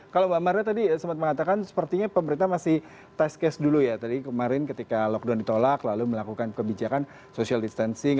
kalau mbak marda tadi sempat mengatakan sepertinya pemerintah masih test case dulu ya tadi kemarin ketika lockdown ditolak lalu melakukan kebijakan social distancing